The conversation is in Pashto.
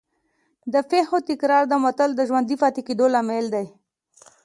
د پېښو تکرار د متل د ژوندي پاتې کېدو لامل دی